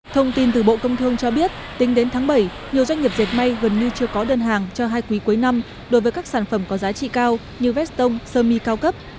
thông tin từ bộ công thương cho biết tính đến tháng bảy nhiều doanh nghiệp dệt may gần như chưa có đơn hàng cho hai quý cuối năm đối với các sản phẩm có giá trị cao như veston sơ mi cao cấp